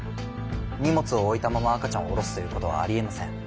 荷物を置いたまま赤ちゃんを降ろすということはありえません。